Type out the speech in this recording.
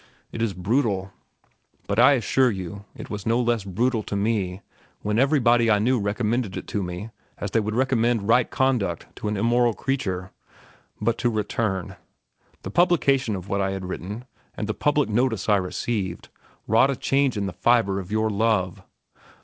It is brutal. But I assure you it was no less brutal to me when everybody I knew recommended it to me as they would recommend right conduct to an immoral creature. But to return. The publication of what I had written, and the public notice I received, wrought a change in the fibre of your love.